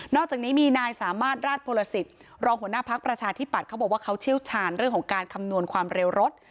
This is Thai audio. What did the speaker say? อกจากนี้มีนายสามารถราชพลสิทธิ์รองหัวหน้าพักประชาธิปัตย์เขาบอกว่าเขาเชี่ยวชาญเรื่องของการคำนวณความเร็วรถ